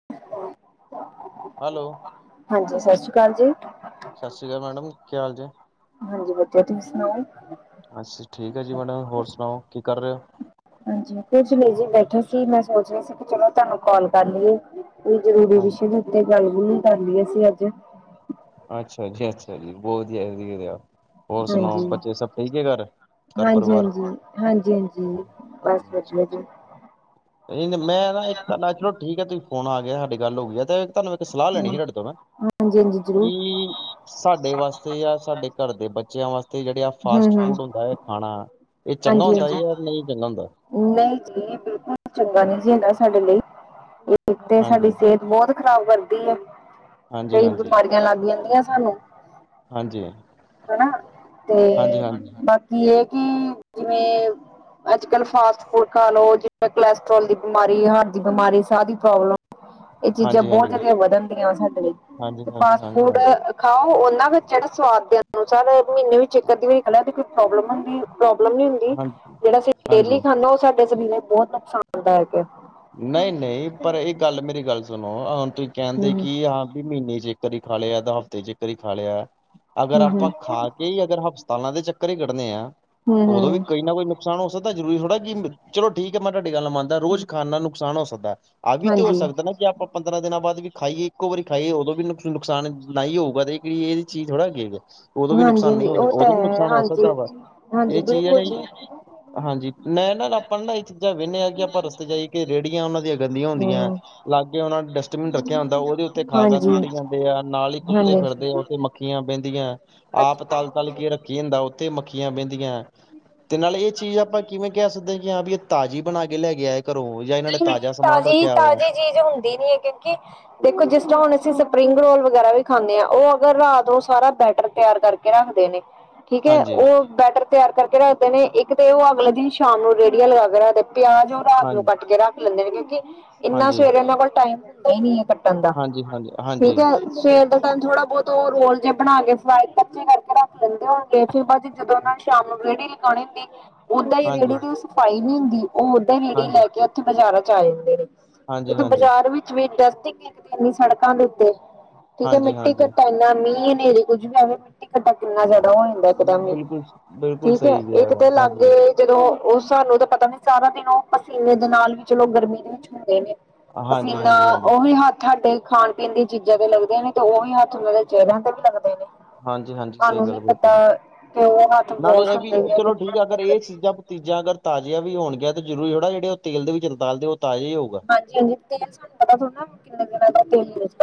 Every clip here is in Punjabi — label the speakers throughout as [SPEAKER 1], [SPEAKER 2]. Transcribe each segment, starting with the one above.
[SPEAKER 1] [unintelligible]
[SPEAKER 2] ਹੈਲੋ
[SPEAKER 1] ਹਾਂਜੀ ਸਤਿ ਸ਼੍ਰੀ ਅਕਾਲ ਜੀ।
[SPEAKER 2] ਸਾਸਰੀ ਕਾਲ ਮੈਡਮ, ਕੀ ਹਾਲ ਜੇ।
[SPEAKER 1] ਹਾਂਜੀ ਵਧੀਆ ਤੁਸੀਂ ਸੁਣਾਓ।
[SPEAKER 2] ਅੱਛਾ ਠੀਕ ਹੈ ਜੀ ਮੈਡਮ ਹੋਰ ਸੁਣਾਓ ਕੀ ਕਰ ਰਹੇ ਹੋ?
[SPEAKER 1] ਹਾਂਜੀ ਕੁਛ ਨੀ ਜੀ ਬੈਠੇ ਸੀ ਮੈਂ ਸੋਚ ਰਹੀ ਸੀ ਕਿ ਚਲੋ ਤੁਹਾਨੂੰ ਕੋਲ ਕਰ ਲਈਏ। ਕੋਈ ਜ਼ਰੂਰੀ ਵਿਸ਼ੇ
[SPEAKER 2] ਹਾਂ
[SPEAKER 1] ਦੇ ਉੱਤੇ ਗੱਲ ਨਹੀਂ ਕਰਦੀ ਅਸੀ ਅੱਜ।
[SPEAKER 2] ਅੱਛਾ ਜੀ ਅੱਛਾ ਜੀ ਬਹੁਤ ਵਧੀਆ ਵਧੀਆ, ਹੋਰ ਸੁਣਾਓ ਬੱਚੇ ਸਭ ਠੀਕ ਹੈ ਘਰ। ਘਰ ਪਰਿਵਾਰ
[SPEAKER 1] ਹਾਂਜੀ-ਹਾਂਜੀ, ਹਾਂਜੀ-ਹਾਂਜੀ ਬਸ ਵਧੀਆ ਜੀ।
[SPEAKER 2] ਮੈਂ ਨਾ ਇੱਕ ਤਾਂ ਚਲੋ ਠੀਕ ਹੈ ਤੁਸੀਂ ਫੋਨ ਆ ਗਿਆ ਸਾਡੀ ਗੱਲ ਹੋ ਗਈ ਹੈ ਤੇ ਤੁਹਾਨੂੰ ਇੱਕ ਸਲਾਹ ਲੈਣੀ ਸੀ ਤੁਹਾਡੇ ਤੋਂ ਮੈਂ।
[SPEAKER 1] ਹਾਂਜੀ-ਹਾਂਜੀ।
[SPEAKER 2] ਕੀ, ਸਾਡੇ ਵਾਸਤੇ ਜਾਂ ਸਾਡੇ ਘਰ ਦੇ ਬੱਚਿਆਂ ਵਾਸਤੇ ਤੇ ਜਿਹੜਾ ਆ
[SPEAKER 1] ਹੂੰ ਹੂੰ
[SPEAKER 2] ਫਾਸਟ ਫੂਡ ਹੁੰਦਾ ਏ ਖਾਣਾ ਇਹ ਚੰਗਾ
[SPEAKER 1] ਹਾਂਜੀ
[SPEAKER 2] ਹੁੰਦਾ
[SPEAKER 1] ਹਾਂਜੀ
[SPEAKER 2] ਏ ਜਾ ਨੀ ਚੰਗਾ ਹੁੰਦਾ?
[SPEAKER 1] ਨਹੀਂ ਜੀ ਇਹ ਬਿਲਕੁਲ ਚੰਗਾ ਨੀ ਜੀ ਹੁੰਦਾ ਸਾਡੇ ਲਈ ਇਹ ਤੇ ਸਾਡੀ
[SPEAKER 2] ਹਾਂਜੀ
[SPEAKER 1] ਸਿਹਤ ਬਹੁਤ ਖਰਾਬ ਕਰਦੀ ਐ,
[SPEAKER 2] ਹਾਂਜੀ
[SPEAKER 1] ਕਈ
[SPEAKER 2] ਹਾਂਜੀ
[SPEAKER 1] ਬਿਮਾਰੀਆਂ ਲੱਗ ਜਾਂਦੀਆਂ ਸਾਨੂੰ।
[SPEAKER 2] ਹਾਂਜੀ
[SPEAKER 1] ਹਨਾ
[SPEAKER 2] ਹਾਂਜੀ
[SPEAKER 1] ਤੇ
[SPEAKER 2] ਹਾਂਜੀ
[SPEAKER 1] ਬਾਕੀ ਇਹ ਕਿ ਜਿਵੇਂ ਅੱਜ ਕੱਲ ਫਾਸਟ ਫੂਡ ਖਾਲੋ ਜਿਵੇਂ ਕੋਲੈਸਟਰੋਲ ਦੀ ਬਿਮਾਰੀ ਹਾਰਟ ਦੀ ਬਿਮਾਰੀ ਸਾਹ ਦੀ ਪ੍ਰੋਬਲਮ ਇਹ ਚੀਜ਼ਾਂ
[SPEAKER 2] ਹਾਂਜੀ
[SPEAKER 1] ਬਹੁਤ ਜਿਆਦਾ ਵਧਣ ਦੀਆਂ ਵਾ ਸਾਡੇ ਲਈ
[SPEAKER 2] ਹਾਂਜੀ
[SPEAKER 1] ਤੇ
[SPEAKER 2] ਹਾਂਜੀ
[SPEAKER 1] ਫਾਸਟ
[SPEAKER 2] ਹਾਂਜੀ
[SPEAKER 1] ਫੂਡ
[SPEAKER 2] ਹਾਂਜੀ
[SPEAKER 1] ਖਾਓ ਉਹਨਾਂ ਬੱਚਿਆ ਨੂੰ ਸਵਾਦ ਦੇ ਅਨੁਸਾਰ ਮਹੀਨੇ ਵਿੱਚ ਜੈ ਕਦੇ ਵੀ ਖਾਨਾ ਕੋਈ ਪ੍ਰੋਬਲਮ ਹੁੰਦੀ ਏ ਪ੍ਰੋਬਲਮ ਨੀ ਹੁੰਦੀ
[SPEAKER 2] ਹਾਂਜੀ
[SPEAKER 1] ਜਿਹੜਾ ਅਸੀਂ ਡੇਲੀ
[SPEAKER 2] ਹਾਂਜੀ
[SPEAKER 1] ਖਾਂਨੇ ਆ ਉਹ ਸਾਡੇ ਸਰੀਰ ਲਈ ਬਹੁਤ ਨੁਕਸਾਨ ਦਾਇਕ ਏ
[SPEAKER 2] ਨਹੀਂ ਨਹੀਂ ਪਰ ਇਹ ਗੱਲ ਮੇਰੀ ਗੱਲ ਸੁਨੋ ਹੁਣ ਤੁਸੀਂ ਕਹਿੰਦੇ
[SPEAKER 1] ਹਮ
[SPEAKER 2] ਕਿ ਹਾਂ ਮਹੀਨੇ ਚ ਇੱਕ ਵਾਰੀ ਖਾ ਲਿਆ ਜਾ ਹਫ਼ਤੇ ਚ ਇੱਕ ਵਾਰੀ ਖਾ ਲਿਆ ਅਗਰ
[SPEAKER 1] ਹਮ
[SPEAKER 2] ਆਪਾਂ ਖਾ ਕੇ ਈ ਅਗਰ ਹਸਪਤਾਲਾਂ ਦੇ ਚੱਕਰ ਈ ਕੱਢਣੇ ਆ
[SPEAKER 1] ਹਮ
[SPEAKER 2] ਉਦੋਂ ਵੀ
[SPEAKER 1] ਹਮ
[SPEAKER 2] ਕੋਈ ਨਾ ਕੋਈ ਨੁਕਸਾਨ ਹੋ ਸਕਦਾ ਜ਼ਰੂਰੀ ਥੋੜ੍ਹਾ ਕਿ ਚਲੋ ਠੀਕ ਹੈ ਮੈਂ ਤੁਹਾਡੀ ਗੱਲ ਮੰਨਦਾ ਰੋਜ਼
[SPEAKER 1] ਹਮ
[SPEAKER 2] ਖਾਨ ਨਾਲ ਨੁਕਸਾਨ ਹੋ ਸਕਦਾ ਆ ਵੀ ਤੇ ਹੋ
[SPEAKER 1] ਹਾਂਜੀ
[SPEAKER 2] ਸਕਦਾ ਨਾ ਕਿ ਆਪਾਂ ਪੰਦਰਾਂ ਦਿਨਾਂ ਬਾਅਦ ਵੀ ਖਾਈਏ ਇੱਕੋ ਵਾਰੀ ਖਾਈਏ ਉਦੋਂ ਵੀ ਨੁਕਸਾਨ ਨਾ ਹੀ ਹੋਊਗਾ ਤੇ ਇਹਦੀ ਚੀਜ਼ ਥੋੜਾ ਹੈਗੀ ਹੈ ਉਦੋਂ ਵੀ
[SPEAKER 1] ਹਾਂਜੀ
[SPEAKER 2] ਨੁਕਸਾਨ ਨੀ
[SPEAKER 1] ਹਾਂਜੀ
[SPEAKER 2] ਹੋ ਸਕਦਾ
[SPEAKER 1] ਉਹ ਤਾਂ
[SPEAKER 2] ਉਦੋਂ ਵੀ
[SPEAKER 1] ਹੈ
[SPEAKER 2] ਨੁਕਸਾਨ ਹੋ ਸਕਦਾ
[SPEAKER 1] ਹਾਂਜੀ
[SPEAKER 2] ਵਾ
[SPEAKER 1] ਹਾਂਜੀ
[SPEAKER 2] ਇਹ ਚੀਜ਼ ਹੈ
[SPEAKER 1] ਬਿਲਕੁਲ
[SPEAKER 2] ਨਾ ਜੀ ਹਾਂਜੀ ਮੈਂ ਨਾਲ ਆਪਾਂ ਨਾ ਇਹ ਚੀਜ਼ਾਂ ਵੇਹਨੇ ਆ ਕਿ ਆਪਾਂ ਰਸ ਜਾਈ ਕਿ ਰੇਹੜੀਆਂ ਉਹਨਾਂ ਦੀਆਂ ਗੰਦੀਆਂ ਹੁੰਦੀਐ
[SPEAKER 1] ਹੂੰ,
[SPEAKER 2] ਲਾਗੇ ਉਹਨਾਂ ਡਸਟਬਿਨ ਰੱਖਿਆ ਹੁੰਦਾ ਉਹਦੇ ਉੱਤੇ ਖਾ ਖਾ
[SPEAKER 1] ਹਾਂਜੀ,
[SPEAKER 2] ਸੁੱਟੀ
[SPEAKER 1] ਹਾਂਜੀ।
[SPEAKER 2] ਜਾਂਦੇ ਆ ਨਾਲ ਹੀ
[SPEAKER 1] ਹਾਂਜੀ
[SPEAKER 2] ਕੁੱਤੇ ਫਿਰਦੇ ਆ
[SPEAKER 1] ਬਿਲਕੁਲ
[SPEAKER 2] ਉੱਥੇ ਮੱਖੀਆਂ ਬਹਿੰਦੀਆਂ ਆਪ ਤਲ ਤਲ ਕੇ ਰੱਖੀ ਹੁੰਦਾ ਉੱਥੇ ਮੱਖੀਆਂ ਬਹਿੰਦੀਆਂ ਤੇ ਨਾਲ ਇਹ ਚੀਜ਼ ਆਪਾਂ ਕਿਵੇਂ ਕਹਿ ਸਕਦੇ ਆ ਕਿ ਹਾਂ ਵੀ ਇਹ ਤਾਜ਼ੀ ਬਨਾ ਕੇ ਲੈਕੇ ਆਏ ਘਰੋਂ ਜਾਂ ਇਹਨਾਂ ਨੇ
[SPEAKER 1] ਠੀਕ ਨਹੀਂ ਨਹੀਂ
[SPEAKER 2] ਤਾਜ਼ਾ ਸਮਾਨ
[SPEAKER 1] ਤਾਜ਼ੀ
[SPEAKER 2] ਰੱਖਿਆ ਵਾ
[SPEAKER 1] ਤਾਜ਼ੀ ਚੀਜ਼ ਹੁੰਦੀ ਨੀ ਹੈ ਕਿਉਂਕਿ ਦੇਖੋ ਜਿਸ ਤਰ੍ਹਾਂ ਹੁਨ ਅਸੀਂ ਸਪਰਿੰਗ ਰੋਲ ਵਗੈਰਾ ਵੀ ਖਾਂਨੇ ਆ ਉਹ ਅਗਰ ਰਾਤੋ ਸਾਰਾ ਬੈਟਰ ਤਿਆਰ ਕਰਕੇ ਰੱਖਦੇ ਨੇ ਠੀਕ ਹੈ
[SPEAKER 2] ਹਾਂਜੀ
[SPEAKER 1] ਉਹ ਬੈਟਰ ਤਿਆਰ ਕਰਕੇ ਰੱਖਦੇ ਨੇ ਇੱਕ ਤੇ ਉਹ ਅਗਲੇ ਦਿਨ ਸ਼ਾਮ ਨੂੰ ਰੇਹੜੀਆਂ ਲਗਾ ਕੇ ਰੱਖਦੇ ਪਿਆਜ ਉਹ ਰਾਤ ਨੂੰ
[SPEAKER 2] ਹਾਂਜੀ
[SPEAKER 1] ਕੱਟ ਕੇ ਰੱਖਦੇ ਲੈਂਦੇ ਨੇ ਕਿਉਂਕਿ ਇੰਨਾ
[SPEAKER 2] ਹਾਂਜੀ
[SPEAKER 1] ਸਵੇਰੇ ਇਹਨਾਂ ਕੋਲ ਟਾਈਮ ਹੁੰਦਾ ਹੀ ਨਹੀਂ ਹੈ ਕੱਟਣ ਦਾ
[SPEAKER 2] ਹਾਂਜੀ ਹਾਂਜੀ
[SPEAKER 1] ਠੀਕ ਏ
[SPEAKER 2] ਹਾਂਜੀ
[SPEAKER 1] ਸਵੇਰ ਦੇ ਟਾਈਮ ਥੋੜਾ ਬਹੁਤ ਉਹ ਰੋਲ ਜੇਆ ਬਣਾ ਕੇ ਫਰਾਈ ਕੱਚੇ ਕਰਕੇ ਰੱਖ ਦੇਂਦੇ ਔ ਫਿਰ ਬਾਅਦ ਜਦੋਂ ਉਹ ਨੇ ਸ਼ਾਮ ਨੂੰ ਰੇਹੜੀ ਲਗਾਉਣੀ ਹੁੰਦੀ ਓਦਾਂ ਹੀ ਰੇੜੀ
[SPEAKER 2] ਹਾਂਜੀ
[SPEAKER 1] ਦੀ ਸਫ਼ਾਈ ਨੀ ਹੁੰਦੀ ਉਹ ਰੇੜੀ
[SPEAKER 2] ਹਾਂਜੀ
[SPEAKER 1] ਲੈ ਕੇ ਓਥੇ ਬਾਜ਼ਾਰਾਂ ਚ ਆ ਜਾਂਦੇ ਨੇ
[SPEAKER 2] ਹਾਂਜੀ
[SPEAKER 1] ਤੇ
[SPEAKER 2] ਹਾਂਜੀ
[SPEAKER 1] ਬਾਜ਼ਾਰ ਵਿੱਚ ਵੀ ਡਸਟਿੰਗ ਇਹਨੀ ਇਨੀ ਸੜਕਾਂ ਦੇ ਉੱਤੇ ਠੀਕ ਐ
[SPEAKER 2] ਹਾਂਜੀ
[SPEAKER 1] ਮਿੱਟੀ
[SPEAKER 2] ਹਾਂਜੀ
[SPEAKER 1] ਕਟਾ ਇਨਾ ਮੀਂਹ ਹਨੇਰੀ ਕੁੱਝ ਵੀ ਆਵੇ ਮਿੱਟੀ ਘਟਾ ਕਿੰਨਾ ਜ਼ਿਆਦਾ ਹੋ ਜਾਂਦਾ ਇੱਕਦਮ ਈ
[SPEAKER 2] [unintelligible]
[SPEAKER 1] ਠੀਕ ਹੈ
[SPEAKER 2] ਕਿਹਾ
[SPEAKER 1] ਇੱਕ
[SPEAKER 2] ਵਾ
[SPEAKER 1] ਤੇ
[SPEAKER 2] ਹਾਂਜੀ
[SPEAKER 1] ਲਾਗੇ ਜਦੋਂ ਉਹ ਸਾਨੂੰ ਤਾਂ ਪਤਾ ਨੀ ਸਾਰਾ ਦਿਨ ਉਹ ਪਸੀਨੇ ਦੇ ਨਾਲ ਵੀ ਚਲੋ ਗਰਮੀ ਦੇ ਵਿੱਚ ਹੁੰਦੇ ਨੇ
[SPEAKER 2] ਹਾਂਜੀ,
[SPEAKER 1] ਪਸੀਨਾ
[SPEAKER 2] ਹਾਂਜੀ, ਹਾਂਜੀ।
[SPEAKER 1] ਉਹੀ ਹੱਥ ਤੁਹਾਡੇ ਖਾਨ-ਪੀਨ ਦੀਆਂ ਚੀਜ਼ਾਂ ਤੇ ਲੱਗਦੇ ਆਂ ਨੇ, ਤੇ ਉਹੀ ਹੱਥ ਉਹਨਾਂ ਦੇ ਚਿਹਰਿਆਂ ਤੇ ਵੀ ਲੱਗਦੇ ਨੇ
[SPEAKER 2] ਹਾਂਜੀ, ਹਾਂਜੀ ਸਹੀ
[SPEAKER 1] ਤੁਹਾਨੂੰ
[SPEAKER 2] ਗੱਲ
[SPEAKER 1] ਨੀ ਪਤਾ
[SPEAKER 2] ਬਿਲਕੁਲ
[SPEAKER 1] ਕਿਵੇ ਦਾ
[SPEAKER 2] ਨਾਲੇ ਇਹ ਵੀ ਚਲੋ ਠੀਕ ਆ ਅਗਰ ਇਹ ਚੀਜ਼ਾਂ ਚੀਜ਼ਾਂ ਅਗਰ ਤਾਜ਼ੀਆਂ ਵੀ ਹੋਨ ਗਿਆਂ ਤਾਂ। ਜ਼ਰੂਰੀ ਥੋੜਾ ਜਿਹੜੇ ਉਹ ਤੇਲ ਦੇ ਵਿੱਚ ਚੀਜ਼ਾਂ ਤਲ ਦੇ ਉਹ ਤਾਜ਼ਾ ਹੀ ਹੋਊਗਾ
[SPEAKER 1] ਹਾਂਜੀ-ਹਾਂਜੀ ਤੇਲ ਸਾਨੂੰ ਪਤਾ ਥੋੜਾ ਕਿੰਨੇ ਵਾਰ ਤਲਿਆ ਏ ਤੇਲ ਵਿੱਚ।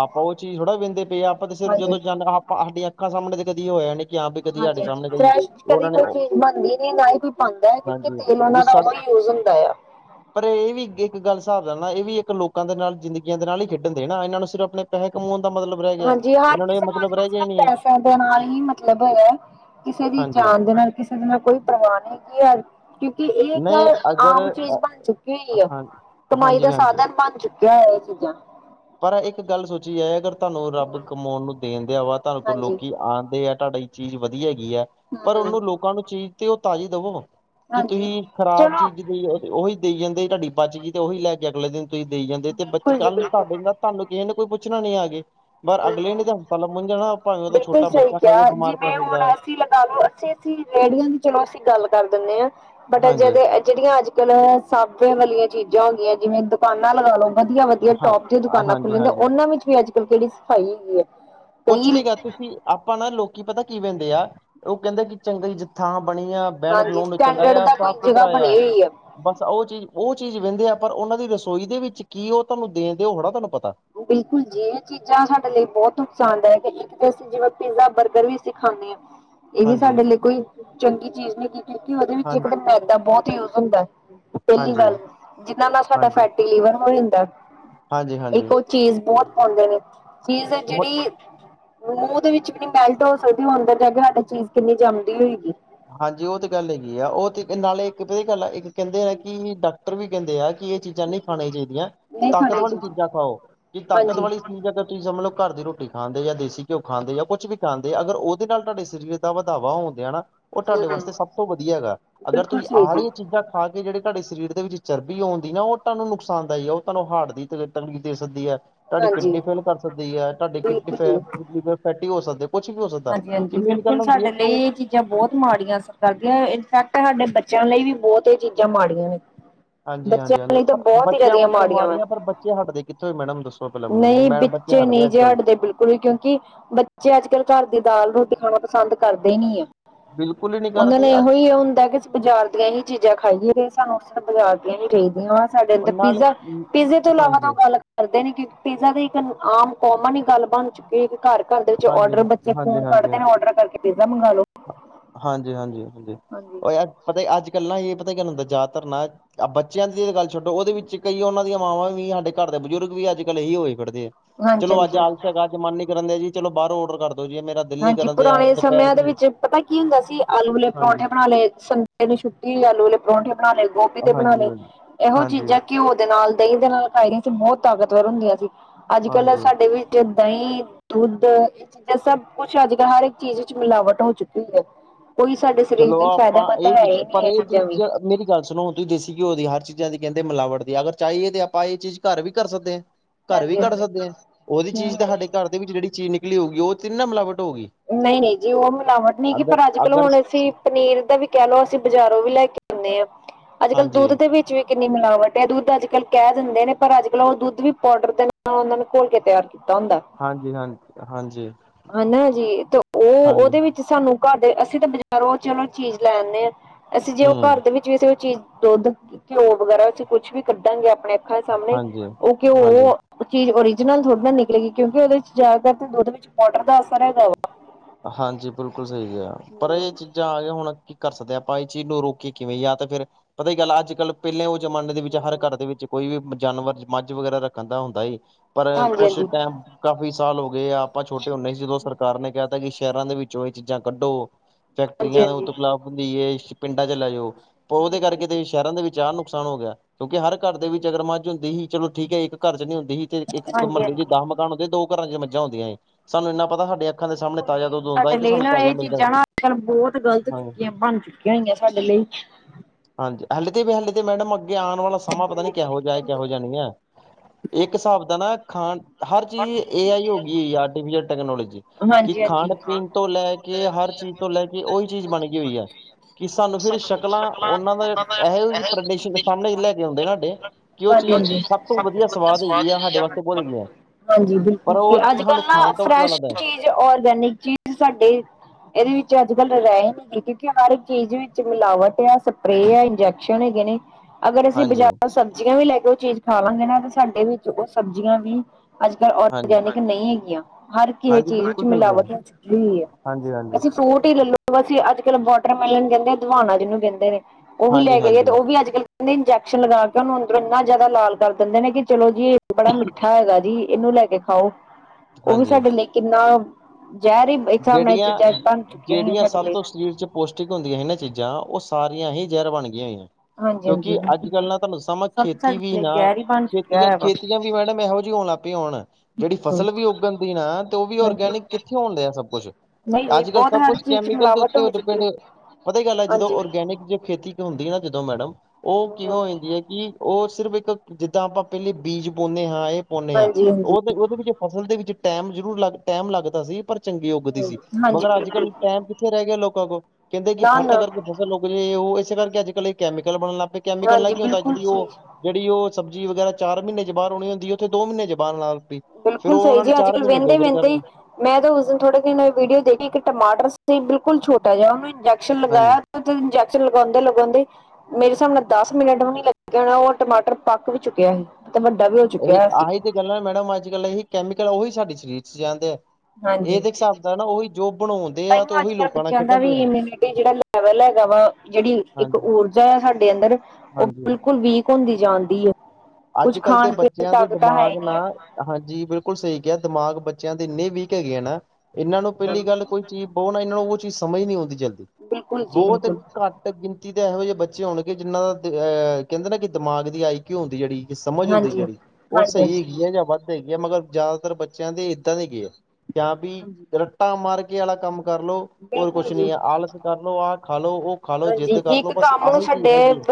[SPEAKER 2] ਆਪਾਂ ਉਹ ਚੀਜ਼ ਥੋੜ੍ਹਾ ਵਿੰਦੇ ਪਏ ਆ। ਆਪਾਂ ਤੇ ਸਿਰਫ
[SPEAKER 1] ਹਾਂਜੀ
[SPEAKER 2] ਜਦੋਂ ਜਾਂਨੇ ਆ। ਆਪਾਂ ਸਾਡੀਆਂ ਅੱਖਾਂ ਸਾਹਮਣੇ ਤੇ ਕਦੀ ਹੋਇਆ ਨੀ ਕਿ ਹਾਂ ਵੀ ਕਦੀ ਸਾਡੇ
[SPEAKER 1] ਹਾਂਜੀ ਹਾਂਜੀ
[SPEAKER 2] ਸਾਮਣੇ
[SPEAKER 1] ਫਰੈਸ਼ ਕਦੀ ਕੋਈ ਚੀਜ਼ ਬਨਦੀ ਨੀ। ਨਾ ਈ ਕੋਈ ਪਾੰਦਾ ਏ। ਕਿਉਂਕਿ
[SPEAKER 2] ਹਾਂਜੀ
[SPEAKER 1] ਤੇਲ
[SPEAKER 2] ਉਹ ਵੀ
[SPEAKER 1] ਉਹਨਾ ਦਾ
[SPEAKER 2] ਸਾਡੇ
[SPEAKER 1] ਉਹੀ ਯੂਜ ਹੁੰਦਾ ਆ
[SPEAKER 2] ਪਰ ਇਹ ਵੀ ਇੱਕ ਗੱਲ ਹਿਸਾਬ ਨਾਲ ਨਾ। ਇਹ ਵੀ ਇੱਕ ਲੋਕਾਂ ਦੇ ਨਾਲ ਜ਼ਿੰਦਗੀਆਂ ਦੇ ਨਾਲ ਹੀ ਖੇਡਣ ਦੇ ਨਾ ਇਹਨਾਂ ਨੂੰ ਸਿਰਫ ਆਪਣੇ ਪੈੇਹੇ ਕਮਾਉਣ ਦਾ ਮਤਲਬ ਰਹਿ ਗਿਆ
[SPEAKER 1] ਹਾਂਜੀ। ਹਰ
[SPEAKER 2] ਇਹਨਾਂ ਇਹ
[SPEAKER 1] ਕਿਸੇ ਨੂੰ ਅੱਜ
[SPEAKER 2] ਮਤਲਬ
[SPEAKER 1] ਕੱਲ
[SPEAKER 2] ਰਹਿ ਗਿਆ ਹੀ
[SPEAKER 1] ਸਿਰਫ
[SPEAKER 2] ਨਹੀਂ ਹੈ
[SPEAKER 1] ਪੈਸਿਆਂ ਦੇ ਨਾਲ ਹੀ ਮਤਲਬ ਹੈਗਾ ਕਿਸੇ ਦੀ
[SPEAKER 2] ਹਾਂਜੀ
[SPEAKER 1] ਜਾਨ ਦੇ ਨਾਲ ਕਿਸੇ ਦੇ ਨਾਲ ਕੋਈ ਪਰਵਾਹ ਨੀ ਹੈਗੀ ਐ। ਕਿਉਂਕਿ ਇਹ ਇੱਕ
[SPEAKER 2] ਨਹੀਂ ਅਗਰ
[SPEAKER 1] ਆਮ ਚੀਜ਼
[SPEAKER 2] ਅ,
[SPEAKER 1] ਬਣ ਚੁੱਕੀ ਹੋਈ ਆ।
[SPEAKER 2] ਹਾਂ
[SPEAKER 1] ਕਮਾਈ ਦਾ
[SPEAKER 2] ਹਾਂਜੀ ਹਾਂਜੀ
[SPEAKER 1] ਸਾਧਨ ਬਣ ਚੁੱਕ ਕਿਆ ਏ ਚੀਜ਼ਾਂ।
[SPEAKER 2] ਪਰ ਇੱਕ ਗੱਲ ਸੋਚੀ ਜਾਏ, ਅਗਰ ਤੁਹਾਨੂੰ ਰੱਬ
[SPEAKER 1] ਹੂੰ,
[SPEAKER 2] ਕਮਾਉਣ ਨੂੰ ਦੇਣ ਦਿਆਂ ਵਾ, ਤੁਹਾਨੂੰ ਕੋ
[SPEAKER 1] ਹਾਂਜੀ।
[SPEAKER 2] ਲੋਕੀ ਆਣ ਡੇ ਆ ਤੁਹਾਡੀ ਚੀਜ਼ ਵਧੀਆ ਹੈਗੀ ਐ, ਪਰ
[SPEAKER 1] ਹਮ
[SPEAKER 2] ਉਹਨੂੰ ਲੋਕਾਂ ਨੂੰ ਚੀਜ਼ ਤੇ ਓ ਤਾਜ਼ੀ ਦੇਵੋ। ਕਿ
[SPEAKER 1] ਹਾਂਜੀ
[SPEAKER 2] ਤੁਸੀਂ ਖ਼ਰਾਬ
[SPEAKER 1] ਚਲੋ
[SPEAKER 2] ਚੀਜ਼ ਦੇਈਂ ਜਾਓ। ਉਹੀ ਦੇਈ ਜਾਂਦੇ, ਤੁਹਾਡੀ ਬੱਚਗੀ ਤੇ ਉਹੀ ਲੈ ਕੇ ਅਗਲੇ ਦਿਨ ਤੁਸੀਂ ਦੇਈ ਜਾਂਦੇ, ਤੇ ਬੱਚ
[SPEAKER 1] ਬਿਲਕੁਲ ਜੀ
[SPEAKER 2] ਕੱਲ ਨੂੰ
[SPEAKER 1] ਬਿਲਕੁਲ
[SPEAKER 2] ਫ਼ਿਰ ਤੁਹਾਨੂੰ ਕਿਹ ਨੇ ਕੋਈ ਪੁੱਛਣਾ ਨੀ ਆ ਕੇ। ਪਰ
[SPEAKER 1] ਹਮ
[SPEAKER 2] ਅਗਲੇ
[SPEAKER 1] ਹਮ।
[SPEAKER 2] ਨੇ ਤਾਂ ਹਸਪਤਾਲ ਪੋਚ ਜਾਣਾਂ, ਭਾਵੇਂ ਉਹਦਾ ਛੋਟਾ ਬੱਚਾ ਖਾ ਕੇ ਬਿਮਾਰ ਪੈ ਸਕਦਾ ਐ।
[SPEAKER 1] ਤੁਸੀਂ ਲਗਾ ਲੋ ਅਸੀਂ-ਅਸੀਂ ਰੇਹੜੀਆਂ ਦੀ ਚਲੋ ਅਸੀਂ ਗੱਲ ਕਰ ਦਿੰਨੇ ਆ, ਬਟ ਐ
[SPEAKER 2] ਹਾਂਜੀ
[SPEAKER 1] ਜਿੜੇ ਜਿਹੜੀਆਂ ਅੱਜ ਕੱਲ ਸਬ ਵੇ ਵਾਲੀਆਂ ਚੀਜ਼ਾਂ ਹੋਗੀਆਂ, ਜਿਵੇਂ ਦੁਕਾਨਾਂ ਲਗਾਂ ਲੋ ਵਧੀਆ- ਵਧੀ ਜੇ
[SPEAKER 2] ਹਾਂ
[SPEAKER 1] ਟੋਪ ਦੀਆਂ ਦੁਕਾਨਾਂ
[SPEAKER 2] ਹਾਂਜੀ
[SPEAKER 1] ਖੁੱਲੀਆਂ।
[SPEAKER 2] ਹਾਂਜੀ
[SPEAKER 1] ਉਹਨਾਂ ਵਿੱਚ ਵੀ ਅੱਜ ਕੱਲ ਕਿਹੜੀ ਸਫਾਈ ਹੈਗੀ ਹੈ।
[SPEAKER 2] ਕੁੱਛ
[SPEAKER 1] ਕਈ
[SPEAKER 2] ਨੀ ਕਿਆ ਤੁਸੀਂ ਆਪਾਂ ਨਾ ਲੋਕੀ ਪਤਾ ਕੀ ਵਹਿੰਦੇ ਆ, ਉਹ ਕਹਿੰਦੇ ਕਿ ਚੰਗੀ ਜੀ ਥਾਂ ਬਣੀ ਆ ਬੈਹਿਣ
[SPEAKER 1] ਹਾਂਜੀ
[SPEAKER 2] ਖਲੋਣ ਨੂੰ ਚੰਗ਼ਾ
[SPEAKER 1] ਸਟੈਂਡਰਡ
[SPEAKER 2] ਜਾ,
[SPEAKER 1] ਦਾ ਕੋਈ
[SPEAKER 2] ਸਾਫ਼
[SPEAKER 1] ਜਗ੍ਹਾ
[SPEAKER 2] ਸੁਥਰਾ
[SPEAKER 1] ਬਣੀ
[SPEAKER 2] ਜਾ।
[SPEAKER 1] ਹੋਈ ਹੈ
[SPEAKER 2] ਬਸ ਉਹ ਚੀਜ਼, ਉਹ ਚੀਜ਼ ਵਹਿੰਦੇ ਆ। ਪਰ ਉਹਨਾਂ ਦੀ ਰਸੋਈ ਦੇ ਵਿੱਚ ਕੀ ਏ ਉਹ ਤੁਹਾਨੂੰ ਦੇਣ ਦੇ ਓ ਥੋੜਾਂ ਤੁਹਾਨੂੰ ਪਤਾਂ।
[SPEAKER 1] ਬਿਲਕੁਲ ਜੀਏ ਜੀ ਚੀਜ਼ਾਂ ਸਾਡੇ ਲਈ ਬਹੁਤ ਨੁਕਸਾਨਦਾਇਕ ਹੀ, ਤੇ ਅਸੀਂ ਜਿਵੇਂ ਪੀਜ਼ਾ ਬਰਗਰ ਵੀ ਅਸੀਂ ਖਾਦੇ ਆ। ਇਹ ਵੀ
[SPEAKER 2] ਹਾਂਜੀ
[SPEAKER 1] ਸਾਡੇ ਲਈ ਕੋਈ ਚੰਗੀ ਚੀਜ਼ ਨੀ ਗੀ, ਕਿਉਂਕਿ ਉਹਦੇ ਵਿੱਚ
[SPEAKER 2] ਹਾਂ
[SPEAKER 1] ਇੱਕ ਤਾ ਮੈਦਾ ਬਹੁਤ ਯੂਜ ਹੁੰਦਾ। ਪਹਿਲੀ
[SPEAKER 2] ਹਾਂਜੀ
[SPEAKER 1] ਗੱਲ, ਜਿਹਨਾਂ ਨਾਲ ਸਾਡਾ
[SPEAKER 2] ਹਾਂਜੀ
[SPEAKER 1] ਫੈਟੀ ਲੀਵਰ ਹੋ ਜਾਂਦਾ।
[SPEAKER 2] ਹਾਂਜੀ-
[SPEAKER 1] ਇੱਕ
[SPEAKER 2] ਹਾਂਜੀ।
[SPEAKER 1] ਉਹ ਚੀਜ਼ ਬਹੁਤ ਪਾਉਂਦੇ ਨੇ, ਚੀਜ਼ ਏ
[SPEAKER 2] ਮ
[SPEAKER 1] ਜਿਹੜੀ ਮੂੰਹ ਦੇ ਵਿੱਚ ਵੀ ਨੀ ਮੈਲਟ ਹੋ ਸਕਦੀ, ਓ ਅੰਦਰ ਜਾ ਕੇ ਸਾਡੀ ਚੀਜ਼ ਕਿੰਨੀ ਜੰਮਦੀ ਹੋਏਗੀ।
[SPEAKER 2] ਹਾਂਜੀ ਉਹ ਤੇ ਗੱਲ ਹੈਗੀ ਆ, ਉਹ ਤੇ ਨਾਲੇ ਇੱਕ ਪਤਾਂ ਕੀ ਗੱਲ ਆ ਇੱਕ ਕਹਿੰਦੇ ਆ ਕੀ, ਡਾਕਟਰ ਵੀ ਕਹਿੰਦੇ ਆ ਕੀ ਇਹ ਚੀਜ਼ਾਂ ਨਹੀਂ ਖਾਣੀਆਂ ਚਾਹੀਦੀਆਂ,
[SPEAKER 1] ਨਹੀਂ
[SPEAKER 2] ਤਾਕਤ
[SPEAKER 1] ਖਾਣੀ ਜੀ
[SPEAKER 2] ਵਾਲੀ ਚੀਜ਼ਾਂ ਖਾਓ। ਜੇ ਤਾਕਤ
[SPEAKER 1] ਹਾਂਜੀ
[SPEAKER 2] ਵਾਲੀ ਚੀਜ਼ਾਂ ਅਗ ਤੁਸੀਂ ਸਮਝ ਲੋ, ਘਰ ਦੀ ਰੋਟੀ ਖਾਂਣ ਦੇ ਜਾਂ ਦੇਸੀ ਘਿਓ ਖਾਂਣ ਦੇ ਜਾਂ ਕੁੱਛ ਵੀ ਖਾਂ ਦੇ ਆ, ਅਗਰ ਉਹਦੇ ਨਾਲ ਤੁਹਾਡੇ ਸਰੀਰ ਦਾ ਵਧਾਵਾ ਹੋਣ ਦਿਆਂ ਨਾ। ਉਹ
[SPEAKER 1] ਹੂੰ
[SPEAKER 2] ਤੁਹਾਡੇ
[SPEAKER 1] ਹੂੰ
[SPEAKER 2] ਵਾਸਤੇ ਸਭ ਤੋਂ ਵਧੀਆ ਹੈਗਾ, ਅਗਰ
[SPEAKER 1] ਬਿਲਕੁਲ
[SPEAKER 2] ਤੁਸੀਂ
[SPEAKER 1] ਸਹੀ
[SPEAKER 2] ਆਹ
[SPEAKER 1] ਜੀ
[SPEAKER 2] ਅੜੀਆਂ ਚੀਜ਼ਾਂ ਖਾ ਕੇ ਜਿਹੜੇ ਤੁਹਾਡੇ ਸਰੀਰ ਦੇ ਵਿੱਚ ਚਰਬੀ ਆਉਂਦੀ ਨਾ, ਉਹ ਤੁਹਾਨੂੰ ਨੁਕਸਾਨਦਾਈ ਆ ਉਹ ਤੁਹਾਨੂੰ ਹਾਰਟ ਦੀ ਤਕਲੀਫ‌ ਦੇ ਸਕਦੀ ਐ। ਤੁਹਾਡੀ
[SPEAKER 1] ਹਾਂਜੀ
[SPEAKER 2] ਕਿਡਨੀ ਫੇਲ ਕਰ ਸਕਦੀ ਐ, ਤੁਹਾਡੀ ਕਿਡਨੀ
[SPEAKER 1] ਬਿਲਕੁਲ
[SPEAKER 2] ਫ
[SPEAKER 1] ਜੀ
[SPEAKER 2] ਲੀਵਰ ਫੈਟੀ ਹੋ ਸਕਦੇ ਕੁਛ ਵੀ ਹੋ ਸਕਦਾ
[SPEAKER 1] ਹਾਂਜੀ-
[SPEAKER 2] ਕਿ
[SPEAKER 1] ਹਾਂਜੀ,
[SPEAKER 2] ਮੇਨ ਗੱਲ
[SPEAKER 1] ਬਿਲਕੁਲ
[SPEAKER 2] ਹੁੰਦੀ ਹੈ
[SPEAKER 1] ਸਾਡੇ
[SPEAKER 2] ਕਿ
[SPEAKER 1] ਲਈ
[SPEAKER 2] ਉਹ
[SPEAKER 1] ਏ ਚੀਜ਼ ਚੀਜ਼ਾਂ ਬਹੁਤ ਮਾੜੀਆਂ ਅਸਰ ਕਰਦੀਆਂ, ਇਨਫੈਕਟ ਹਾਡੇ ਬੱਚਿਆਂ ਲਈ ਵੀ ਬਹੁਤ ਇਹ ਚੀਜ਼ਾਂ ਮਾੜੀਆਂ ਨੇ।
[SPEAKER 2] ਹਾਂਜੀ-ਹਾਂਜੀ,
[SPEAKER 1] ਬੱਚਿਆਂ
[SPEAKER 2] ਹਾਂਜੀ
[SPEAKER 1] ਲਈ ਤਾਂ
[SPEAKER 2] ਪਰ
[SPEAKER 1] ਬਹੁਤ ਹੀ
[SPEAKER 2] ਬੱਚਿਆਂ
[SPEAKER 1] ਜ਼ਿਆਦੀਆਂ
[SPEAKER 2] ਵਾਸਤੇ
[SPEAKER 1] ਵਾ
[SPEAKER 2] ਮਾੜੀਆਂ ਪਰ ਬੱਚੇ ਹੱਟਦੇ ਕਿੱਥੋਂ ਮੈਡਮ ਦੱਸੋ। ਪਹਿਲਾਂ ਮੈਨੂੰ
[SPEAKER 1] ਨਹੀਂ,
[SPEAKER 2] ਮੈਂ ਬੱਚੇ
[SPEAKER 1] ਬੀਚੇ
[SPEAKER 2] ਹਟਦੇ
[SPEAKER 1] ਨੀਂ
[SPEAKER 2] ਅੱਜ
[SPEAKER 1] ਜੇ
[SPEAKER 2] ਕੱਲ੍ਹ
[SPEAKER 1] ਹੱਟਦੇ ਬਿਲ -ਕੁਲ ਵੀ ਕਿਉਂਕਿ ਬੱਚੇ ਅੱਜ ਕੱਲ ਘਰ ਦੀ ਦਾਲ- ਰੋਟੀ ਖਾਣਾਂ ਪਸੰਦ ਕਰਦੇ ਈ ਨੀ ਏ।
[SPEAKER 2] ਬਿਲਕੁਲ ਹੀ ਨਹੀਂ
[SPEAKER 1] ਉਹਨਾਂ
[SPEAKER 2] ਕਰਦੇ
[SPEAKER 1] ਨੇ
[SPEAKER 2] ਅੱਜ
[SPEAKER 1] ਇਹੋ ਹੀ ਹੁੰਦਾ ਕਿ ਸ ਬਾਜ਼ਾਰ ਦੀਆਂ ਹੀ ਚੀਜ਼ਾਂ ਖਾਈਆਂ ਤੇ ਸਾਨੂੰ ਸਭ ਬਾਜ਼ਾਰ ਦੀਆਂ ਹੀ ਚਾਹੀਦੀਆਂ ਆ। ਸਾਡੇ ਏਧਰ
[SPEAKER 2] ਨਾਲੇ
[SPEAKER 1] ਪੀਜ਼ਾ,
[SPEAKER 2] ਮ,
[SPEAKER 1] ਪੀਜ਼ੇ ਤੋਂ ਇਲਾਵਾ ਤਾਂ
[SPEAKER 2] ਹਾਂਜੀ
[SPEAKER 1] ਗੱਲ ਕਰਦੇ ਨੇ ਕਿਉਂਕਿ, ਪੀਜ਼ਾ ਦੀ ਇੱਕ ਆਮ ਕੋਮਨ ਹੀ ਗੱਲ ਬਣ ਚੁੱਕੀ ਏ, ਕਿ ਘਰ -ਘਰ ਦੇ ਵਿੱਚ
[SPEAKER 2] ਹਾਂਜੀ ਹਾਂਜੀ
[SPEAKER 1] ਔਡਰ ਜੇ
[SPEAKER 2] ਹਾਂਜੀ
[SPEAKER 1] ਫੋਨ ਕੱਢਦੇ ਨੇ ਔਡਰ ਕਰਕੇ ਪੀਜ਼ਾ ਮੰਗਾਲੋ।
[SPEAKER 2] ਹਾਂਜੀ- ਹਾਂਜੀ, ਹਾਂਜੀ‌‌ ਓ ਐ ਪਤਾ ਅੱਜ ਕੱਲ ਨਾ ਇਹ ਪਤਾ ਕੀ ਗੱਲ ਹੁੰਦਾ ਜ਼ਿਆਦਾਤਰ ਨਾ। ਬੱਚਿਆਂ ਦੀ ਗੱਲ ਛੱਡੋ ਉਹਦੇ ਵਿੱਚ ਕਈ ਉਹਨਾਂ ਦੀ ਮਾਵਾਂ ਵੀ ਹਾਡੇ ਘਰ ਦੇ ਬਜ਼ੁਰਗ ਵੀ ਅੱਜ ਕੱਲ ਇਹੀ ਹੋਏ ਖੜਦੇ ਆ। ਚਲੋ ਅੱਜ
[SPEAKER 1] ਹਾਂਜੀ-ਹਾਂਜੀ, ਹਾਂਜੀ
[SPEAKER 2] ਆਲਸ ਹੈਗਾ, ਅੱਜ ਮਨ ਨੀ ਕਰਨ ਦਿਆ ਜੀ ਚਲੋ ਬਾਹਰ ਔਡਰ ਕਰ ਦੋ ਜੀ ਮੇਰਾ। ਦਿਲ ਨੀ
[SPEAKER 1] ਹਾਂਜੀ
[SPEAKER 2] ਕਰਨ ਦਿਆ
[SPEAKER 1] ਪੁਰਾਣੇ
[SPEAKER 2] ਦੁਪਹਿਰ
[SPEAKER 1] ਸਮਿਆਂ ਦੇ
[SPEAKER 2] ਦੀ
[SPEAKER 1] ਵਿੱਚ ਪਤਾ ਕੀ ਹੁੰਦਾ ਸੀ। ਆਲੂ ਵਾਲੇ
[SPEAKER 2] ਹਾਂਜੀ
[SPEAKER 1] ਪਰੌਂਠੇ ਬਣਾ ਲੇ, ਸੰਡੇ ਨੂੰ ਛੁੱਟੀ ਆਲੂ ਵਾਲੇ ਪਰੌਂਠੇ ਬਣਾ ਲੇ, ਗੋਭੀ ਦੇ ਬਣਾ
[SPEAKER 2] ਹਾਂਜੀ
[SPEAKER 1] ਲੇ। ਇਹੋ
[SPEAKER 2] ਹਾਂਜੀ
[SPEAKER 1] ਚੀਜ਼ਾਂ ਘਿਓ ਦੇ ਨਾਲ ਦਹੀਂ ਦੇ ਨਾਲ ਖਾਈ ਦੀਆਂ ਸੀ ਤੇ ਬਹੁਤ ਤਾਕਤਵਰ ਹੁੰਦੀਆਂ ਸੀ। ਅੱਜ ਕੱਲ
[SPEAKER 2] ਹਾਂਜੀ
[SPEAKER 1] ਸਾਡੇ ਵਿ ਜੋ ਦਈਂ ਦੁੱਧ ਐ ਚੀਜ਼ਾਂ ਸਭ ਕੁਛ ਅੱਜ ਕੱਲ੍ਹ ਹਰ ਇੱਕ ਚੀਜ਼ ਵਿੱਚ ਮਿਲਾਵਟ ਹੋ ਚੁੱਕੀ ਐ ਕੋਈ ਸਾਡੇ ਸਰੀਰ
[SPEAKER 2] ਚਲੋ
[SPEAKER 1] ਲਈ
[SPEAKER 2] ਆਪਾਂ
[SPEAKER 1] ਫਾਇਦੇਮੰਦ
[SPEAKER 2] ਏ
[SPEAKER 1] ਹੈ
[SPEAKER 2] ਚੀਜ਼
[SPEAKER 1] ਹੀ
[SPEAKER 2] ਪਰ
[SPEAKER 1] ਨਹੀਂ ਇਹ
[SPEAKER 2] ਏ
[SPEAKER 1] ਚੀਜ਼ਾਂ ਵੀ
[SPEAKER 2] ਚੀਜ਼ ਮੇਰੀ ਗੱਲ ਸੁਣੋ। ਸੀਂ ਦੇਸੀ ਘਿਓ ਦੀ ਹਰ ਚੀਜ਼ਾਂ ਦੀ ਕੈਂਦੇ ਮਿਲਾਵਟ ਦੀ ਅਗਰ ਚਾਈਏ ਤੇ ਆਪਾਂ ਏ ਚੀਜ਼ ਘਰ ਵੀ ਕਰ ਸਕਦੇ ਆਂ। ਘਰ ਵੀ ਕੱਢ
[SPEAKER 1] ਹਾਂਜੀ-ਹਾਂਜੀ
[SPEAKER 2] ਸਕਦੇ ਆ ਉਦੀ ਚੀਜ਼
[SPEAKER 1] ਹੂੰ।
[SPEAKER 2] ਤਾਂ ਸਾਡੇ ਘਰ ਦੇ ਵਿੱਚ ਜੇੜੀ ਚੀਜ਼ ਨਿਕਲੀ ਹੋਊਗੀ ਓ ਤੇ ਨ ਨਾ ਮਿਲਾਵਟ ਹੋਏ ਗੀ।
[SPEAKER 1] ਨਈ-ਨਈ ਜੀ ਓ ਮਿਲਾਵਟ ਨਈ ਹੈਗੀ ਗ ਪਰ ਅੱਜ ਕੱਲ
[SPEAKER 2] ਅਗਰ
[SPEAKER 1] ਹੁਣ ਅਸੀਂ ਪਨੀਰ ਦਾ ਵੀ ਕੈ ਲਓ ਅਸੀਂ ਬਜ਼ਾਰੋਂ ਵੀ ਲੈ ਕੇ ਹੁਣੇ ਆ ਅੱਜ ਕੱਲ੍ਹ
[SPEAKER 2] ਹਾਂਜੀ
[SPEAKER 1] ਦੁੱਧ ਦੇ ਵਿੱਚ ਵੀ ਕਿੰਨੀ ਮਿਲਾ ਐ ਦੁੱਧ ਅੱਜ ਕੱਲ੍ਹ ਕੈ ਦਿੰਦੇ ਨੇ ਪਰ ਅੱਜ ਕੱਲ੍ਹ ਓ ਦੁੱਧ ਵੀ ਪਾਊਡਰ ਦੇ ਨਾਲ ਉਨਾਂ ਨੂੰ ਘੋਲ ਕੇ ਤਿਆਰ ਕੀਤਾ ਹੁੰਦਾ।
[SPEAKER 2] ਹਾਂਜੀ-ਹਾਂਜੀ-ਹਾਂਜੀ।
[SPEAKER 1] ਹਨਾ ਜੀ ਤੇ ਓ ਉਦੇ ਵਿੱਚ ਤੇ ਸਾਨੂੰ ਘਰ ਦੇ ਅਸੀਂ ਤਾਂ ਬਜ਼ਾਰੋਂ ਚਲੋ ਚੀਜ਼ ਲੈ ਆਣੇ ਆਂ ਅਸੀਂ ਜੇ ਓ ਘਰ
[SPEAKER 2] ਹੂੰ
[SPEAKER 1] ਦੇ ਵੀ ਜੇ ਓ ਚੀਜ਼ ਦੁੱਧ ਘਿਓ ਵਗੈਰਾ ਅਸੀ ਕੁੱਛ ਵੀ ਕੱਢਾਂਗੇ ਆਪਣੇ ਅੱਖਾਂ ਸਾਹਮਣੇ
[SPEAKER 2] ਹਾਂਜੀ
[SPEAKER 1] ਓ
[SPEAKER 2] ਹਾਂਜੀ
[SPEAKER 1] ਘਿਉ ਓ ਚੀਜ਼ ਓਰੀਜਨਲ ਥੋੜ੍ਹੀ ਨਾਲ ਨਿਕਲੇਗੀ ਕਿਉਂਕਿ ਉਦੇ ਵਿੱਚ ਜਾਦਾਕਰ ਦੁੱਧ ਵਿੱਚ ਪੋਡਰ ਦਾ ਅਸਰ ਹੈਗਾ ਵਾ।
[SPEAKER 2] ਹਾਂਜੀ ਬਿਲਕੁਲ ਸਈ ਐ ਪਰ
[SPEAKER 1] ਹਮ
[SPEAKER 2] ਏ
[SPEAKER 1] ਹਮ
[SPEAKER 2] ਚੀਜ਼ਾਂ ਆ ਗਿਆ ਹੁਣ ਕੀ ਕਰ ਸਕਦੇ ਆਂ ਆਪਾਂ ਏ ਚੀਜ਼ ਨੂੰ ਰੋਕ ਕੇ ਕਿਵੇਂ ਆ ਫਿਰ ਪਤਾ ਈ ਗੱਲ ਅੱਜ ਕੱਲ੍ਹ ਪੈਲੇ ਓ ਜ਼ਮਾਨੇ ਦੇ ਵਿੱਚ ਹਰ
[SPEAKER 1] ਹਮ
[SPEAKER 2] ਘਰ ਦੇ ਵਿੱਚ ਕੋਈ ਵੀ ਜਾਨਵਰ ਮੱਝ ਵਗੈਰਾ ਰੱਖਣ ਦਾ ਹੁੰਦਾ ਹੀ। ਪਰ
[SPEAKER 1] ਹਾਂਜੀ
[SPEAKER 2] ਕੁਛ
[SPEAKER 1] ਹਾਂਜੀ
[SPEAKER 2] ਟੈਮ ਕਾਫੀ ਸਾਲ ਹੋ ਗਏ ਆ ਆਪਾਂ ਛੋਟੇ ਹੁੰਣੇ ਸੀ ਜਦੋਂ ਸਰਕਾਰ ਨੇ ਕੈ ਕਿ ਸ਼ਹਿਰਾਂ ਦੇ ਵਿੱਚੋਂ ਏ ਚੀਜ਼ਾਂ ਕੱਢੋ
[SPEAKER 1] ਹਾਂਜੀ
[SPEAKER 2] ਫੈਕਟਰੀਆਂ ਉ
[SPEAKER 1] ਹਾਂਜੀ
[SPEAKER 2] ਤਪ ਲਾਉ। ਹੁੰਦੀ ਏ ਪਿੰਡਾਂ 'ਚ ਲੈ ਜਾਓ ਪਰ ਉਦੇ ਕਰਕੇ ਤੇ ਸ਼ਹਿਰਾਂ ਦੇ ਵਿੱਚ ਆ ਨੂੰ ਨੁਕਸਾਨ ਹੋ ਗਿਆ ਕਿਉਂਕਿ ਹਰ ਘਰ ਦੇ ਵਿੱਚ ਅਗਰ ਮੱਝ ਹੁੰਦੀ ਹੀ ਚਲੋ ਠੀਕ ਏ ਇੱਕ ਘਰ 'ਚ ਨੀ ਹੁੰਦੀ ਹੀ। ਇੱਕ
[SPEAKER 1] ਹਾਂਜੀ
[SPEAKER 2] ਮਹੱਲੇ
[SPEAKER 1] ਹਾਂਜੀ
[SPEAKER 2] ਵਿੱਚ ਦਸ ਮਕਾਨ ਹੁੰਦੇ ਦੋ ਘਰਾਂ 'ਚ ਮੱਝਾਂ ਹੁੰਦੀਆਂ ਹੀ ਸਾਨੂੰ ਇੰਨਾ ਪਤਾ ਸਾਡੇ ਅੱਖਾਂ ਦੇ ਸਾਹਮਣੇ
[SPEAKER 1] ਬਿਲਕੁਲ
[SPEAKER 2] ਤਾਜ਼ਾ ਦੁੱਧ
[SPEAKER 1] ਜੀ
[SPEAKER 2] ਹੁੰਦਾ ਹੈ
[SPEAKER 1] ਸਾਡੇ
[SPEAKER 2] ਤੇ
[SPEAKER 1] ਲਈ
[SPEAKER 2] ਸਾਨੂੰ
[SPEAKER 1] ਨਾ ਏ
[SPEAKER 2] ਤਾਜ਼ਾ ਮਿਲਦਾ
[SPEAKER 1] ਚੀਜ਼ਾਂ ਨਾ ਅੱਜ ਕੱਲ੍ਹ ਬੋਤ ਗਲਤ
[SPEAKER 2] ਹਾਂ
[SPEAKER 1] ਚੁੱਕੀਆਂ ਬਣ ਚੁੱਕੀਆਂ ਹੋਈਆਂ ਸਾਡੇ ਲਈ
[SPEAKER 2] ਹਾਂਜੀ ਹਲੇ ਤੇ ਵੀ ਹੇ ਤੇ ਮੈਡਮ ਅੱਗੇ ਆਣ ਵਾਲਾ ਸਮਾਂ ਪਤਾ ਨੀ ਕਿਹੋ ਜਿਹਾ ਹੈ ਕਿਹੋ ਜਿਹਾ ਨਈ ਹੈ। ਇੱਕ ਹਿਸਾਬ ਦਾ ਨਾ ਖਾਣ ਹਰ ਚੀਜ਼ ਏ ਆਈ ਹੋ ਗਈ ਹੋਈ। ਟੈਕਨੋਲੋਜੀ ਕਿ
[SPEAKER 1] ਹਾਂਜੀ
[SPEAKER 2] ਖਾਣ
[SPEAKER 1] ਹਾਂਜੀ
[SPEAKER 2] ਪੀਣ ਤੋਂ ਲੈ ਕੇ ਹਰ ਚੀਜ਼ ਤੋਂ ਲੈ ਕੇ ਉਹੀ ਚੀਜ਼ ਬਣ ਗਈ ਹੋਈ ਆ। ਕਿ ਸਾਨੂੰ ਫਿਰ ਸ਼ਕਲਾਂ ਉਨਾਂ ਦਾ ਇਹੋ ਜਿਹੀ ਪ੍ਰਡਸ਼ਨ ਸਾਹਮਣੇ ਲੈ ਕੇ ਆਦੇ ਹਾਡੇ ਕਿ ਓ ਚੀਜ਼ ਸਭ ਤੋਂ ਵਧੀਆ ਸਵਾਦ ਹੈਗੀ ਆ ਸਾਡੇ ਵਾਸਤੇ ਬਹੁਤ ਹੈਗੀ ਆ
[SPEAKER 1] ਹਾਂਜੀ ਬਿਲਕੁਲ
[SPEAKER 2] ਪਰ
[SPEAKER 1] ਜੀ
[SPEAKER 2] ਉਹ
[SPEAKER 1] ਅੱਜ ਕਲ
[SPEAKER 2] ਸਾਨੂੰ
[SPEAKER 1] ਨਾ
[SPEAKER 2] ਖਾਣ ਤੋਂ ਪਤਾ
[SPEAKER 1] ਫਰੈਸ਼
[SPEAKER 2] ਲੱਗਦਾ
[SPEAKER 1] ਚੀਜ ਤੇ ਔਰਗੈਨਿਕ ਚੀਜ਼ ਸਾਡੇ ਇਦੇ ਵਿੱਚ ਅੱਜ ਕੱਲ ਰੈ ਨੀ ਗੇ ਕਿਉਂਕਿ ਹਰ ਇੱਕ ਚੀਜ਼ ਵਿੱਚ ਮਿਲਾਵਟ ਆ ਸਪਰੇ ਆ ਇੰਜੈਕ ਚਲੇ ਗਏ ਨੇ। ਅਗਰ ਅਸੀਂ
[SPEAKER 2] ਹਾਂਜੀ
[SPEAKER 1] ਬਾਜ਼ਾਰ ਸਬਜ਼ੀਆਂ ਵੀ ਲੈ ਕੇ ਓ ਚੀਜ਼ ਖਾਵਾਂਗੇ ਨਾ ਤੇ ਸਾਡੇ ਵਿੱਚ ਓ ਸਬਜ਼ੀਆਂ ਵੀ ਅੱਜ ਕੱਲ੍ਹ
[SPEAKER 2] ਹਾਂਜੀ
[SPEAKER 1] ਔਰਗੈਨਿਕ ਨਈ ਹੈਗੀਆਂ। ਹਰ ਕਿਸੇ
[SPEAKER 2] ਹਾਂਜੀ
[SPEAKER 1] ਚੀਜ਼ ਵਿੱਚ
[SPEAKER 2] ਬਿਲਕੁਲ ਸਹੀ ਕਿਹਾ
[SPEAKER 1] ਮਿਲਾਵਟ ਕੀਤੀ ਐ
[SPEAKER 2] ਹਾਂਜੀ ਹਾਂਜੀ
[SPEAKER 1] ਅਸੀ ਸੂਟ ਈ ਲੱਲੋ। ਅਸੀਂ ਅੱਜ ਕੱਲ ਵਾਟਰਮੈਲਨ ਕੈਂਦੇ ਆ ਦਵਾਣਾ ਜਿਨੂੰ ਕੈਂਦੇ ਨੇ ਓ ਵੀ ਲੈ
[SPEAKER 2] ਹਾਂਜੀ
[SPEAKER 1] ਆਈਏ ਤੇ
[SPEAKER 2] ਹਾਂਜੀ
[SPEAKER 1] ਓ ਵੀ ਅੱਜ ਕੱਲ ਨਈ ਇੰਜੈਕਸ਼ਨ ਲਗਾ ਕੇ ਉਨੂੰ ਅੰਦਰੋ ਇੰਨਾ ਜਾਦਾ ਲਾਲ ਕਰ ਦਿੰਦੇ ਨੇ ਕਿ ਚਲੋ ਜੀ ਏ ਬੜਾ ਮਿੱਠਾ ਹੈਗਾ ਜੀ। ਇਨੂੰ ਲੈ ਕੇ ਖਾਓ ਓ ਵੀ
[SPEAKER 2] ਹਾਂਜੀ
[SPEAKER 1] ਸਾਡੇ ਲਈ ਕਿੰਨਾ ਜੈਰ ਈ ਇੱਕ ਹਿਸਾਬ ਨਾਲ
[SPEAKER 2] ਜਿਹੜੀਆਂ
[SPEAKER 1] ਚੀਜਾਂ ਬਣ ਚੁਕੀਆ ਹੋਈਆਂ ਨੇ ਸਾਡੇ ਲਈ
[SPEAKER 2] ਪੋਸ਼ਟਿਕ ਹੁੰਦੀਆਂ ਸੀ ਨਾ ਚੀਜ਼ਾਂ ਓ ਸਾਰੀਆਂ ਹੀ ਜੈਰ ਬਣ ਗਈਆਂ ਹੋਈਆਂ।
[SPEAKER 1] ਹਾਂਜੀ ਹਾਂਜੀ
[SPEAKER 2] ਕਿਉਂਕਿ
[SPEAKER 1] ਬਿਲਕੁਲ
[SPEAKER 2] ਅੱਜ
[SPEAKER 1] ਜੀ
[SPEAKER 2] ਕੱਲ ਨਾ ਤੁਹਾਨੂੰ ਦੱਸਾਂ
[SPEAKER 1] ਸਭ
[SPEAKER 2] ਛੇਤੀ
[SPEAKER 1] ਸਾਡੇ
[SPEAKER 2] ਵੀ
[SPEAKER 1] ਲਈ
[SPEAKER 2] ਨਾ
[SPEAKER 1] ਜ਼ਹਿਰ ਹੀ ਬਣ ਚੁੱਕਿਆ
[SPEAKER 2] ਛੇਤੀਆਂ
[SPEAKER 1] ਹੈ ਵਾ
[SPEAKER 2] ਚੇਤੀਆਂ ਵੀ ਮੈਡਮ ਇਹੋ ਜਿਹੀ ਹੋਣ ਲੱ ਪੀ ਹੁਣ ਜੇੜੀ ਫਸਲ ਵੀ ਉੱਗਣ ਦੀ ਨਾ ਤੇ ਓ ਵੀ
[SPEAKER 1] ਹਾਂਜੀ
[SPEAKER 2] ਔਰਗੈਨਿਕ ਕਿੱਥੇ ਹੋਣ ਦਿਆ ਸਭ ਕੁਛ
[SPEAKER 1] ਨਹੀਂ ਜੀ
[SPEAKER 2] ਅੱਜ ਕੱਲ
[SPEAKER 1] ਬਹੁਤ
[SPEAKER 2] ਸਭ
[SPEAKER 1] ਹਰ
[SPEAKER 2] ਕੁਛ
[SPEAKER 1] ਚੀਜ਼ ਚ
[SPEAKER 2] ਕੈਮੀਕਲ ਦੇ
[SPEAKER 1] ਮਿਲਾਵਟ
[SPEAKER 2] ਉੱਤੇ
[SPEAKER 1] ਹੋ ਚੁੱਕੀ
[SPEAKER 2] ਡਿਪੈਂਡ ਪਤਾ ਹੀ ਗੱਲ ਐ ਜਦੋਂ
[SPEAKER 1] ਹਾਂਜੀ
[SPEAKER 2] ਔਰਗ ਨਈ ਖੇਤੀ ਕਿਉ ਹੁੰਦੀ ਏ ਨਾ ਜਦੋਂ ਮੈਡਮ ਓ ਕਿਵੇਂ ਹੋ
[SPEAKER 1] ਹਾਂਜੀ
[SPEAKER 2] ਐਂਦੀ ਏ ਕੀ ਉਹ ਸਿਰਫ ਇੱਕ ਜਿੱਦਾਂ ਆਪਾਂ ਪਹਿਲੇ ਬੀਜ ਪਾਉਣੇ ਹਾਂ, ਇਹ ਪਾਉਣੇ ਆ
[SPEAKER 1] ਹਾਂਜੀ
[SPEAKER 2] ਉਹ ਉਹਦੇ ਵਿੱਚ ਫ਼ਸਲ ਦੇ ਵਿੱਚ ਟੈਮ ਜ਼ਰੂਰ ਲੱਗ ਟੈਮ ਲੱਗਦਾ ਸੀ ਪਰ ਚੰਗੀ ਉੱਗਦੀ ਸੀ,
[SPEAKER 1] ਹਾਂਜੀ
[SPEAKER 2] ਮਗਰ ਅੱਜ ਕੱਲ੍ਹ
[SPEAKER 1] ਬਿਲਕੁਲ
[SPEAKER 2] ਟੈਮ ਕਿੱਥੇ ਰਹਿ ਗਿਆ ਲੋਕਾਂ ਕੋਲ, ਕਹਿੰਦੇ ਕਿ
[SPEAKER 1] ਨਾ
[SPEAKER 2] ਫੱਟ
[SPEAKER 1] ਨਾ
[SPEAKER 2] ਕਰਕੇ ਫ਼ਸਲ ਉੱਗ ਜੇ, ਉਹ ਇਸੇ ਕਰਕੇ ਅੱਜ ਕੱਲ੍ਹ ਇਹ ਕੈਮੀਕਲ ਬਣ ਲੱਗ ਪਏ। ਕੈਮੀਕਲ ਨਾਲ
[SPEAKER 1] ਹਾਂਜੀ
[SPEAKER 2] ਕੀ ਹੁੰਦਾ
[SPEAKER 1] ਬਿਲਕੁਲ
[SPEAKER 2] ਜਿਹੜੀ
[SPEAKER 1] ਸਹੀ
[SPEAKER 2] ਉਹ ਜਿਹੜੀ ਉਹ ਸਬਜ਼ੀ ਵਗੈਰਾ ਚਾਰ ਮਹੀਨੇ ਚ ਬਾਹਰ ਆਉਣੀ ਹੁੰਦੀ ਉਥੇ ਦੋ ਮਹੀਨੇ ਚ ਬਾਹਰ ਨਾਲ ਪਈ ਫਿਰ
[SPEAKER 1] ਬਿਲਕੁਲ
[SPEAKER 2] ਉਹ
[SPEAKER 1] ਸਹੀ
[SPEAKER 2] ਉਹਨਾਂ ਨੇ
[SPEAKER 1] ਜੀ, ਅੱਜ
[SPEAKER 2] ਚਾਰ
[SPEAKER 1] ਕੱਲ੍ਹ
[SPEAKER 2] ਮਹੀਨੇ
[SPEAKER 1] ਵਹਿੰਦੇ
[SPEAKER 2] ਦੋ ਵਾਰੀ ਕਰ
[SPEAKER 1] ਵਹਿੰਦੇ
[SPEAKER 2] ਲੈ
[SPEAKER 1] ਹੀ ਮੈਂ ਤਾਂ ਉਸ ਦਿਨ ਥੋੜੇ ਦਿਨ ਵੀਡੀਓ ਦੇਖੀ, ਇੱਕ ਟਮਾਟਰ ਸੀ ਬਿਲਕੁਲ ਛੋਟਾ ਜਿਹਾ ਉਹਨੂੰ ਇੰਜੈਕਸ਼ਨ
[SPEAKER 2] ਹਾਂਜੀ
[SPEAKER 1] ਲਗਾਇਆ ਉਹਦੇ ਚ ਇੰਜੈਕਸ਼ਨ ਲਗਾਉਂਦੇ ਲਗਾਉਂਦੇ ਮੇਰੇ ਹਿਸਾਬ ਨਾਲ ਦਸ ਮਿੰਟ ਵੀ ਨੀ ਲੱਗੇ ਹੋਣੇ, ਉਹ ਟਮਾਟਰ ਪੱਕ ਵੀ ਚੁੱਕਿਆ ਸੀ। ਤੇ ਵੱਡਾ ਵੀ ਹੋ
[SPEAKER 2] ਇਹੀ
[SPEAKER 1] ਚੁੱਕਿਆ ਸੀ
[SPEAKER 2] ਐਹੀ ਤੇ ਗੱਲਾਂ ਮੈਡਮ ਅੱਜ ਕੱਲ੍ਹ ਇਹੀ ਕੈਮੀਕਲ ਉਹੀ ਸਾਡੇ ਸਰੀਰ ਚ ਜਾਂਦੇ ਆ।
[SPEAKER 1] ਹਾਂਜੀ
[SPEAKER 2] ਇਹਦੇ ਹਿਸਾਬ ਦਾ ਨਾ ਉਹੀ ਜੋ ਬਣਾਉਂਦੇ ਆ ਤੇ
[SPEAKER 1] ਤਾਂਹੀਓ ਅੱਜ
[SPEAKER 2] ਉਹੀ
[SPEAKER 1] ਕੱਲ੍ਹ
[SPEAKER 2] ਲੋਕਾਂ ਨਾਲ
[SPEAKER 1] ਬੱਚਿਆਂ ਦਾ
[SPEAKER 2] ਖੇਡਣ
[SPEAKER 1] ਵੀ
[SPEAKER 2] ਦੇ ਆ।
[SPEAKER 1] ਇਮਿਊਨਿਟੀ ਜਿਹੜਾ ਲੈਵਲ ਹੈਗਾ ਵਾ, ਜਿਹੜੀ ਇੱਕ
[SPEAKER 2] ਹਾਂਜੀ
[SPEAKER 1] ਊਰਜਾ ਆ ਸਾਡੇ ਅੰਦਰ ਉਹ
[SPEAKER 2] ਹਾਂਜੀ।
[SPEAKER 1] ਬਿਲਕੁਲ ਵੀਕ ਹੁੰਦੀ ਜਾਣ ਡਹੀ ਐ, ਕੁੱਝ
[SPEAKER 2] ਅੱਜ ਕੱਲ੍ਹ ਦੇ
[SPEAKER 1] ਖਾਣ ਪੀਣ
[SPEAKER 2] ਬੱਚਿਆਂ ਦੇ
[SPEAKER 1] ਤਾਕਤਾਂ ਹੈ
[SPEAKER 2] ਦਿਮਾਗ ਨਾ
[SPEAKER 1] ਨੀ ਆ।
[SPEAKER 2] ਹਾਂਜੀ ਬਿਲਕੁਲ ਸਹੀ ਕਿਹਾ ਦਿਮਾਗ ਬੱਚਿਆਂ ਦੇ ਇੰਨੇ ਵੀਕ ਹੈਗੇ ਆ ਨਾ, ਇਹਨਾਂ ਨੂੰ ਪਹਿਲੀ ਗੱਲ ਕੋਈ ਚੀਜ਼ ਕਹੋ ਨਾ, ਇਹਨਾਂ ਨੂੰ ਉਹ ਚੀਜ਼ ਸਮਝ ਨਹੀਂ ਆਉਂਦੀ ਜਲਦੀ,
[SPEAKER 1] ਬਿਲਕੁਲ ਜੀ
[SPEAKER 2] ਬਹੁਤ
[SPEAKER 1] ਬਿਲਕੁਲ
[SPEAKER 2] ਘੱਟ ਗਿਣਤੀ ਤੇ ਇਹੋ ਜਿਹੇ ਬੱਚੇ ਹੋਣਗੇ ਜਿਹਨਾਂ ਦਾ ਅਹ ਕਹਿੰਦੇ ਨਾ ਕਿ ਦਿਮਾਗ ਦੀ ਆਈ ਕਿਉ ਹੁੰਦੀ ਜਿਹੜੀ ਸਮਝ ਹੁੰਦੀ
[SPEAKER 1] ਹਾਂਜੀ,
[SPEAKER 2] ਜਿਹੜੀ,
[SPEAKER 1] ਹਾਂਜੀ,
[SPEAKER 2] ਉਹ ਸਹੀ ਹੈਗੀ
[SPEAKER 1] ਹਾਂਜੀ,
[SPEAKER 2] ਆ ਜਾਂ ਵੱਧ ਹੈਗੀ ਆ, ਮਗਰ ਜ਼ਿਆਦਾਤਰ ਬੱਚਿਆਂ ਦੇ ਇੱਦਾਂ ਦੇ ਹੈਗੇ ਆ। ਜਾਂ ਵੀ
[SPEAKER 1] ਹਾਂਜੀ
[SPEAKER 2] ਰੱਟਾ ਮਾਰ ਕੇ ਆਲਾ ਕੰਮ ਕਰਲੋ, ਹੋਰ
[SPEAKER 1] ਬਿਲਕੁਲ
[SPEAKER 2] ਕੁਛ ਨੀ
[SPEAKER 1] ਜੀ।
[SPEAKER 2] ਆ ਆਲਸ ਕਰਲੋ ਆਹ ਖਾਲ ਲੋ, ਉਹ ਖਾ ਲੋ, ਜਿੱਦ ਕਰ ਲੋ, ਬਸ ਆਹੀ ਚੀਜ਼ ਰਹਿ ਗਈ ਐ।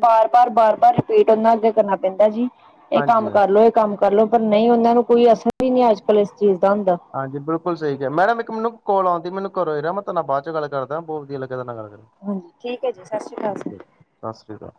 [SPEAKER 1] ਬਾਰ ਬਾਰ ਬਾਰ ਬਾਰ ਰਿਪੀਟ ਉਹਨਾਂ ਅੱਗੇ ਕਰਨਾ ਪੈਂਦਾ ਜੀ, ਇਹ ਕੰਮ
[SPEAKER 2] ਹਾਂਜੀ
[SPEAKER 1] ਕਰਲੋ, ਇਹ ਕੰਮ ਕਰਲੋ, ਪਰ ਨਹੀਂ ਉਹਨਾਂ ਨੂੰ ਕੋਈ ਅਸਰ ਵੀ ਨਹੀਂ ਅੱਜ ਕੱਲ ਇਸ ਚੀਜ਼ ਦਾ ਹੁੰਦਾ।
[SPEAKER 2] ਹਾਂਜੀ ਬਿਲਕੁਲ ਸਹੀ ਕਿਹਾ, ਮੈਡਮ ਇੱਕ ਮੈਨੂੰ ਕੋਲ ਆਉਣ ਡਹੀ ਮੈਨੂੰ ਘਰੋਂ, ਮੈਂ ਤੁਹਾਡੇ ਨਾਲ ਬਾਦ ਚ ਗੱਲ ਕਰਦਾ ਬਹੁਤ ਵਧੀਆ ਲੱਗਾ ਤੁਹਾਡੇ ਨਾਲ ਗੱਲ ਕਰਕੇ।
[SPEAKER 1] ਹਾਂਜੀ ਠੀਕ ਐ ਜੀ, ਸਸ ਸੀ ਅਕਾਲ ਜੀ।
[SPEAKER 2] ਸਸ ਸੀ ਕਾਲ।